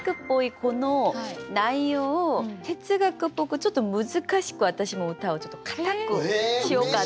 この内容を哲学っぽくちょっと難しく私も歌をちょっと堅くしようかな。